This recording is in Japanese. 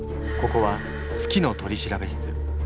ここは「好きの取調室」。